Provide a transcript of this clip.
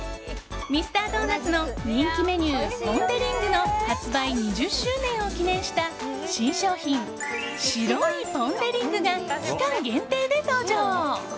ミスタードーナツの人気メニューポン・デ・リングの発売２０周年を記念した新商品白いポン・デ・リングが期間限定で登場。